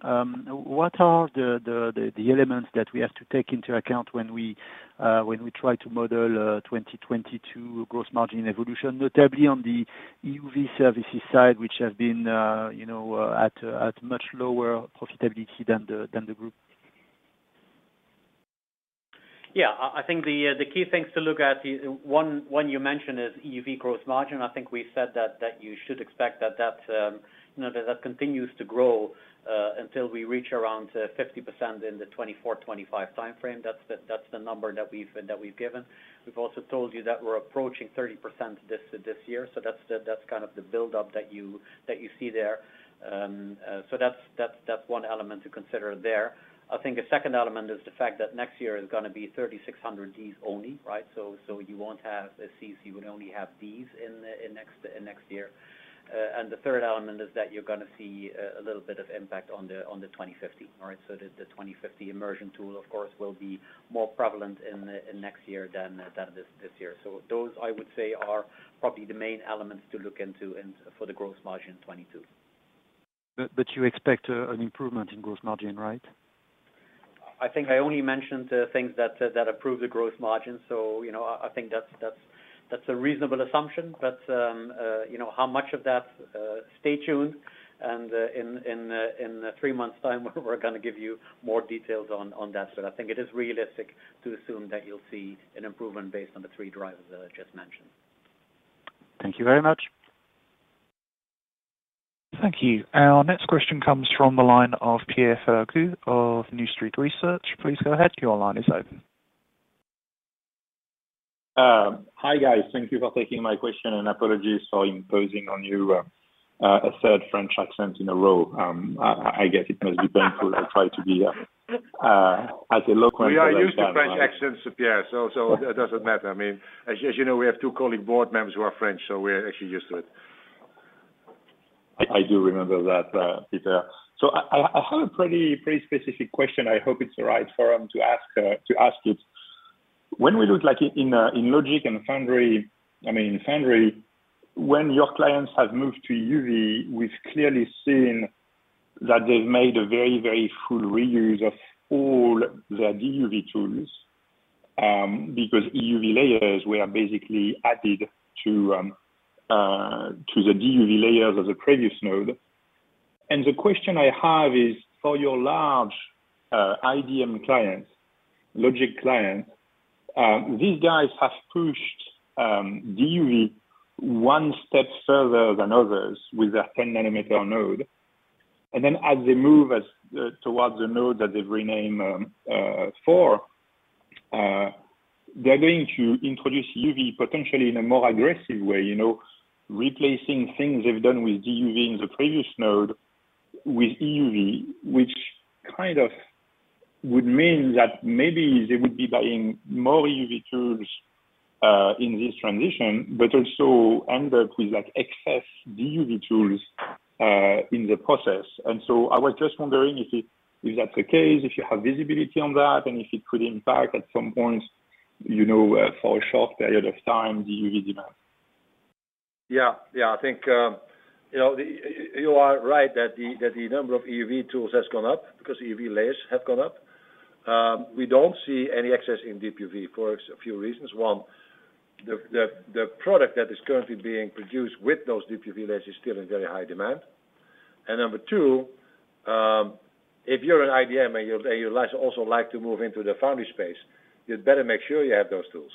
what are the elements that we have to take into account when we try to model 2022 gross margin evolution, notably on the EUV services side, which has been at much lower profitability than the group? Yeah. I think the key things to look at, one you mentioned is EUV gross margin. I think we said that you should expect that continues to grow, until we reach around 50% in the 2024-2025 timeframe. That's the number that we've given. We've also told you that we're approaching 30% this year. That's kind of the buildup that you see there. That's one element to consider there. I think a second element is the fact that next year is going to be 3600Ds only, right? You won't have Cs, you would only have Ds in next year. The third element is that you're going to see a little bit of impact on the 2050. The 2050 immersion tool, of course, will be more prevalent in next year than this year. Those, I would say, are probably the main elements to look into for the gross margin in 2022. You expect an improvement in gross margin, right? I think I only mentioned things that approve the gross margin. I think that's a reasonable assumption, but how much of that? Stay tuned, and in three months' time, we're going to give you more details on that. I think it is realistic to assume that you'll see an improvement based on the three drivers that I just mentioned. Thank you very much. Thank you. Our next question comes from the line of Pierre Ferragu of New Street Research. Please go ahead. Your line is open. Hi, guys. Thank you for taking my question, and apologies for imposing on you a third French accent in a row. I get it must be painful. I try to be as local as I can. We are used to French accents, Pierre, so it doesn't matter. As you know, we have two colleague board members who are French, so we're actually used to it. I do remember that, Peter. I have a pretty specific question. I hope it's the right forum to ask it. When we look like in logic and foundry, when your clients have moved to EUV, we've clearly seen that they've made a very full reuse of all their DUV tools, because EUV layers were basically added to the DUV layers of the previous node. The question I have is for your large IDM clients, logic clients, these guys have pushed DUV one step further than others with their 10 nm node, then as they move towards the node that they've renamed four, they're going to introduce EUV potentially in a more aggressive way. Replacing things they've done with DUV in the previous node with EUV, which kind of would mean that maybe they would be buying more EUV tools, in this transition, but also end up with excess DUV tools in the process. I was just wondering if that's the case, if you have visibility on that, and if it could impact at some point, for a short period of time, DUV demand. I think you are right that the number of EUV tools has gone up because EUV layers have gone up. We don't see any excess in DUV for a few reasons. One, the product that is currently being produced with those DUV layers is still in very high demand, and number two, if you're an IDM and you'd also like to move into the foundry space, you'd better make sure you have those tools.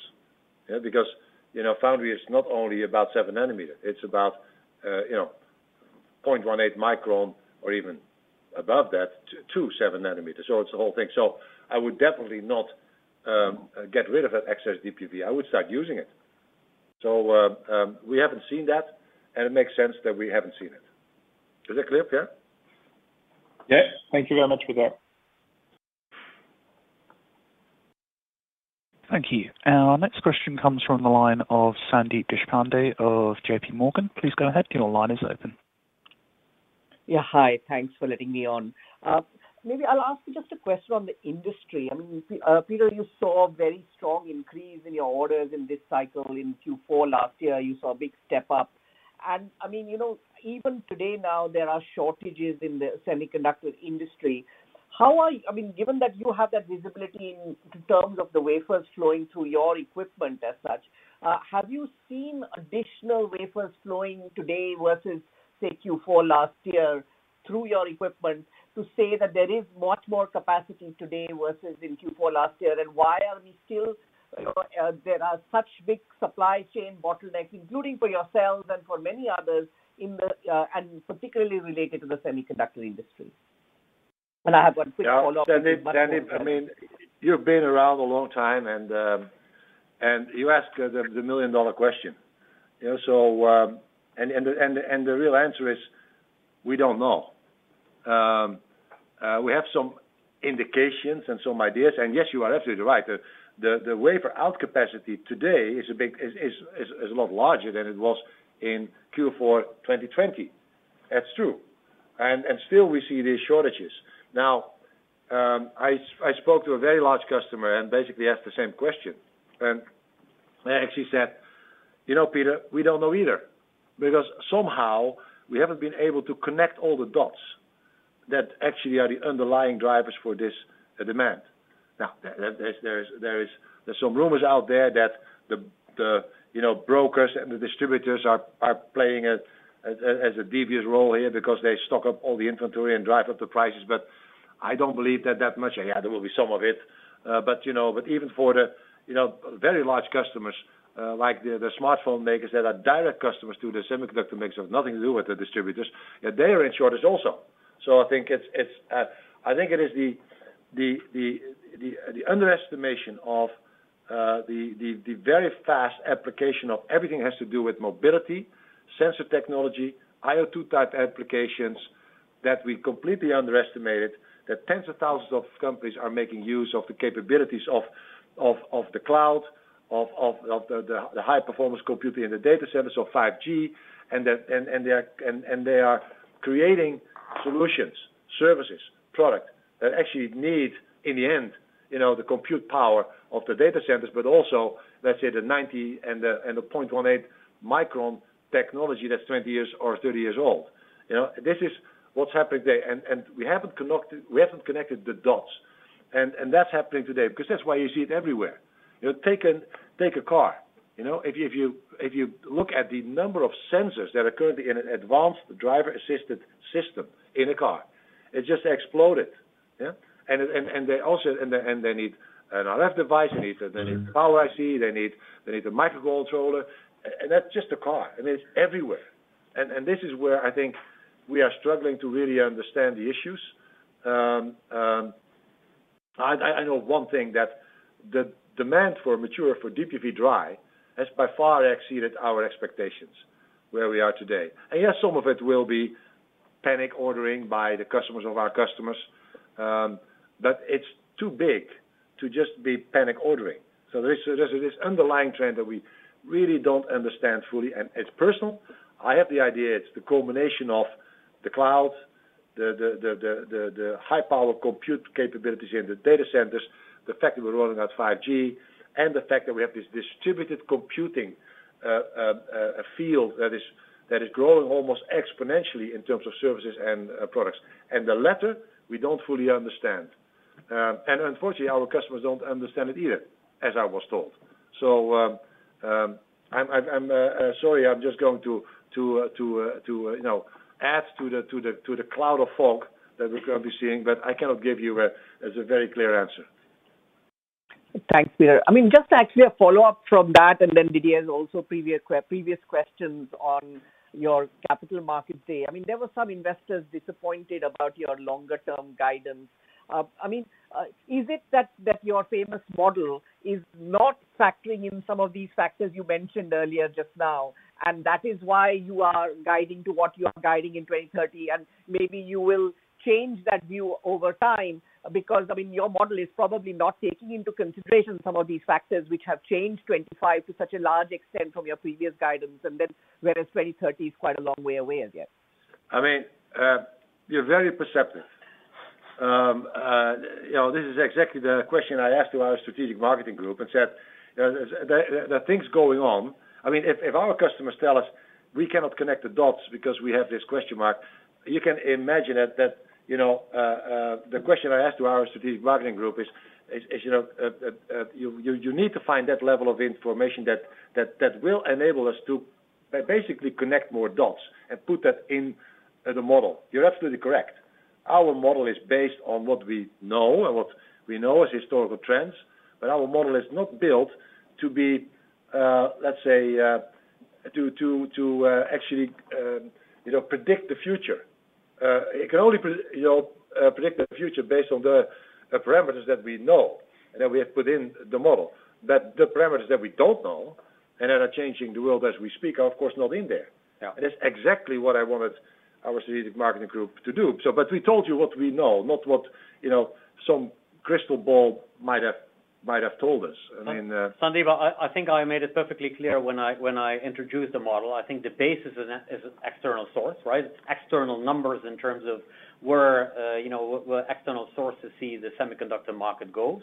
Foundry is not only about 7 nm, it's about 0.18 micron or even above that to 7 nm. It's the whole thing. I would definitely not get rid of that excess DUV. I would start using it. We haven't seen that, and it makes sense that we haven't seen it. Is that clear, Pierre? Yes. Thank you very much, Peter. Thank you. Our next question comes from the line of Sandeep Deshpande of JPMorgan. Please go ahead. Hi. Thanks for letting me on. Maybe I'll ask you just a question on the industry. Peter, you saw a very strong increase in your orders in this cycle in Q4 last year. You saw a big step up, and even today now, there are shortages in the semiconductor industry. Given that you have that visibility in terms of the wafers flowing through your equipment as such, have you seen additional wafers flowing today versus, say, Q4 last year through your equipment to say that there is much more capacity today versus in Q4 last year? Why are there such big supply chain bottlenecks, including for yourselves and for many others, and particularly related to the semiconductor industry? I have one quick follow-up. Sandeep, you've been around a long time, and you asked the million-dollar question. The real answer is we don't know. We have some indications and some ideas, and yes, you are absolutely right. The wafer out capacity today is a lot larger than it was in Q4 2020. That's true. Still, we see these shortages. I spoke to a very large customer and basically asked the same question, and they actually said, "Peter, we don't know either." Because somehow we haven't been able to connect all the dots that actually are the underlying drivers for this demand. There's some rumors out there that the brokers and the distributors are playing as a devious role here because they stock up all the inventory and drive up the prices, but I don't believe that that much. There will be some of it. Even for the very large customers, like the smartphone makers that are direct customers to the semiconductor makers, have nothing to do with the distributors, they are in shortage also. I think it is the underestimation of the very fast application of everything that has to do with mobility, sensor technology, IoT-type applications that we completely underestimated, that tens of thousands of companies are making use of the capabilities of the cloud, of the high-performance computing in the data centers or 5G, and they are creating solutions, services, product that actually need, in the end, the compute power of the data centers, but also, let's say the 90 nm and the 0.18 micron technology that's 20 years or 30 years old. This is what's happening today, and we haven't connected the dots. That's happening today because that's why you see it everywhere. Take a car. If you look at the number of sensors that are currently in an advanced driver-assisted system in a car, it just exploded. Yeah? They need an RF device, they need power IC, they need a microcontroller, and that's just a car, and it's everywhere. This is where I think we are struggling to really understand the issues. I know one thing, that the demand for mature, for DUV dry, has by far exceeded our expectations where we are today. Yes, some of it will be panic ordering by the customers of our customers. It's too big to just be panic ordering. There's this underlying trend that we really don't understand fully, and it's personal. I have the idea it's the culmination of the cloud, the high-power compute capabilities in the data centers, the fact that we're rolling out 5G, and the fact that we have this distributed computing field that is growing almost exponentially in terms of services and products. The latter, we don't fully understand. Unfortunately, our customers don't understand it either, as I was told. I'm sorry, I'm just going to add to the cloud of fog that we're going to be seeing, but I cannot give you as a very clear answer. Thanks, Peter. Just actually a follow-up from that, and then Didier's also previous questions on your Capital Markets Day. There were some investors disappointed about your longer-term guidance. Is it that your famous model is not factoring in some of these factors you mentioned earlier just now, and that is why you are guiding to what you are guiding in 2030, and maybe you will change that view over time? Your model is probably not taking into consideration some of these factors which have changed 2025 to such a large extent from your previous guidance, and then whereas 2030 is quite a long way away as yet. You're very perceptive. This is exactly the question I asked to our strategic marketing group and said, there are things going on. If our customers tell us we cannot connect the dots because we have this question mark, you can imagine that the question I asked to our strategic marketing group is, you need to find that level of information that will enable us to basically connect more dots and put that in the model. You're absolutely correct. Our model is based on what we know and what we know as historical trends, but our model is not built to actually predict the future. It can only predict the future based on the parameters that we know and that we have put in the model. The parameters that we don't know and that are changing the world as we speak are, of course, not in there. Yeah. That's exactly what I wanted our strategic marketing group to do. We told you what we know, not what some crystal ball might have told us. Sandeep, I think I made it perfectly clear when I introduced the model. I think the basis is an external source, right? It's external numbers in terms of where external sources see the semiconductor market go.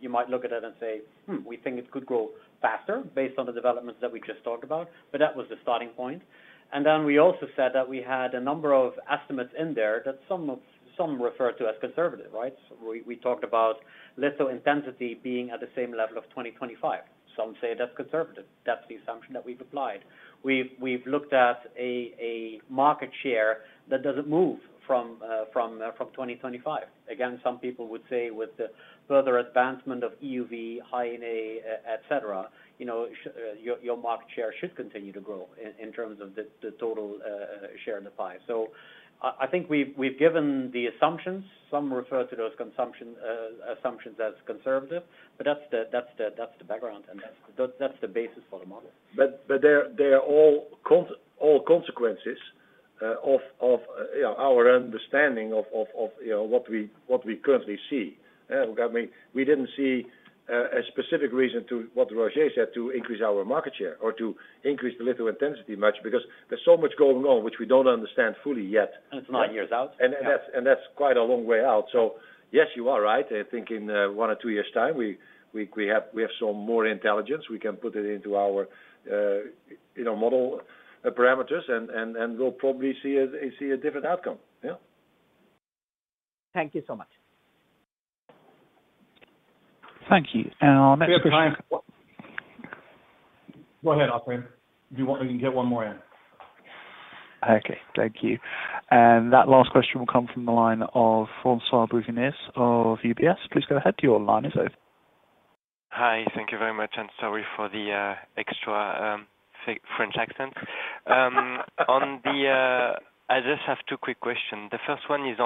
You might look at it and say, "Hmm, we think it could grow faster based on the developments that we just talked about." That was the starting point. Then we also said that we had a number of estimates in there that some refer to as conservative, right? We talked about litho intensity being at the same level of 2025. Some say that's conservative. That's the assumption that we've applied. We've looked at a market share that doesn't move from 2025. Some people would say with the further advancement of EUV, High NA, et cetera, your market share should continue to grow in terms of the total share in the pie. I think we've given the assumptions. Some refer to those assumptions as conservative, but that's the background, and that's the basis for the model. They are all consequences of our understanding of what we currently see. I mean, we didn't see a specific reason to, what Roger said, to increase our market share or to increase the litho intensity much because there's so much going on, which we don't understand fully yet. It's nine years out. That's quite a long way out. Yes, you are right. I think in one or two years' time, we have some more intelligence. We can put it into our model parameters, and we'll probably see a different outcome. Thank you so much. Thank you. Our next- We have time. Go ahead, operator. We can get one more in. Okay. Thank you. That last question will come from the line of François Bouvignies of UBS. Please go ahead. Your line is open. Hi. Thank you very much, and sorry for the extra French accent. I just have two quick questions. The first one is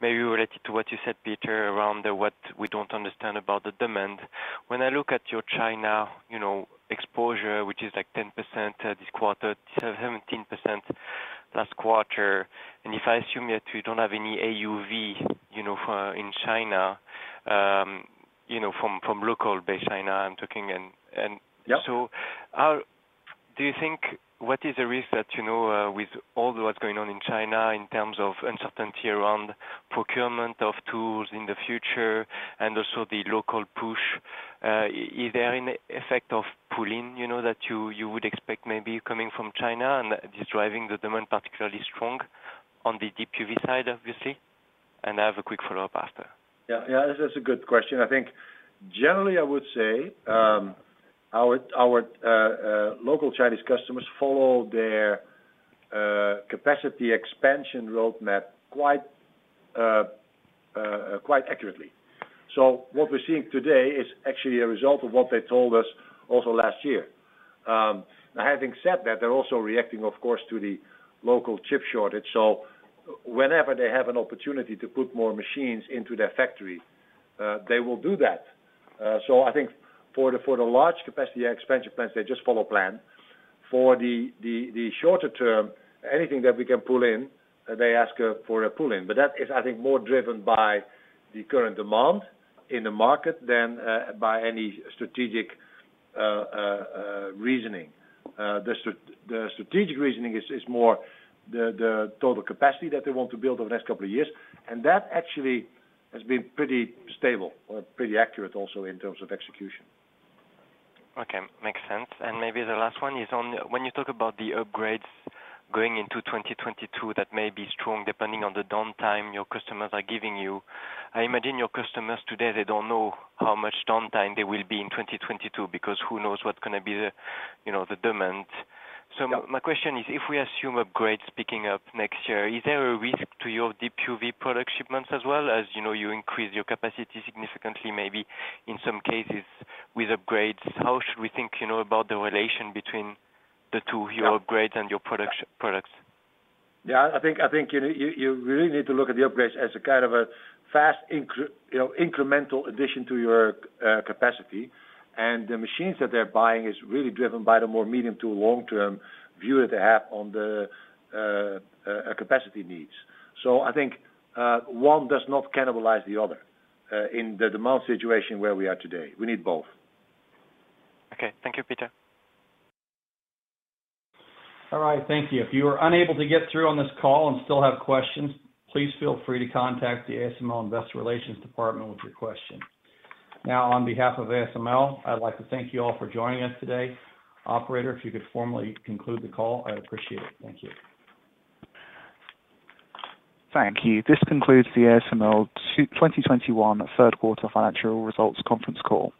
maybe related to what you said, Peter, around what we don't understand about the demand. When I look at your China exposure, which is like 10% this quarter, 17% last quarter. If I assume that you don't have any EUV in China, from local base China, I'm talking. Yeah. Do you think, what is the risk that, with all that's going on in China in terms of uncertainty around procurement of tools in the future and also the local push, is there an effect of pulling, that you would expect maybe coming from China and is driving the demand particularly strong on the DUV side, obviously? I have a quick follow-up after. Yeah. That's a good question. I think generally I would say, our local Chinese customers follow their capacity expansion roadmap quite accurately. What we're seeing today is actually a result of what they told us also last year. Now, having said that, they're also reacting, of course, to the local chip shortage. Whenever they have an opportunity to put more machines into their factory, they will do that. I think for the large capacity expansion plans, they just follow plan. For the shorter term, anything that we can pull in, they ask for a pull-in. That is, I think, more driven by the current demand in the market than by any strategic reasoning. The strategic reasoning is more the total capacity that they want to build over the next couple of years. That actually has been pretty stable or pretty accurate also in terms of execution. Okay. Makes sense. Maybe the last one is on when you talk about the upgrades going into 2022, that may be strong depending on the downtime your customers are giving you. I imagine your customers today, they don't know how much downtime there will be in 2022 because who knows what's going to be the demand. Yeah. My question is, if we assume upgrades picking up next year, is there a risk to your DUV product shipments as well? As you know, you increase your capacity significantly, maybe in some cases with upgrades. How should we think about the relation between the two, your upgrades and your products? I think you really need to look at the upgrades as a kind of a fast incremental addition to your capacity. The machines that they're buying is really driven by the more medium to long-term view that they have on the capacity needs. I think one does not cannibalize the other in the demand situation where we are today. We need both. Okay. Thank you, Peter. All right. Thank you. If you were unable to get through on this call and still have questions, please feel free to contact the ASML Investor Relations department with your question. Now, on behalf of ASML, I'd like to thank you all for joining us today. Operator, if you could formally conclude the call, I'd appreciate it. Thank you. Thank you. This concludes the ASML 2021 third quarter financial results conference call.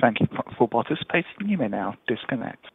Thank you for participating. You may now disconnect.